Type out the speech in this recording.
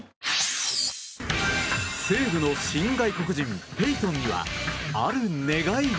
西武の新外国人ペイトンにはある願いが。